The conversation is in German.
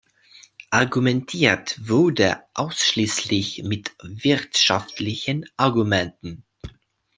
Argumentiert wurde ausschließlich mit wirtschaftlichen Argumenten.